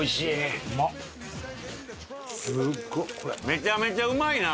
めちゃめちゃうまいな！